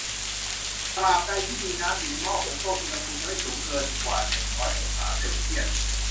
ตราบใดที่มีน้ำอยู่ในหม้อหุงต้มอุณหภูมิจะไม่สูงเกินกว่าหนึ่งร้อยองศาเซลเซียส